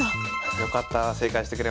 よかった！